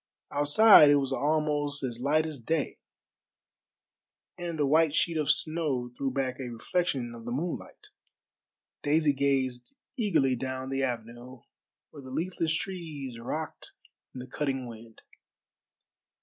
Outside it was almost as light as day, and the white sheet of snow threw back a reflection of the moonlight. Daisy gazed eagerly down the avenue, where the leafless trees rocked in the cutting wind.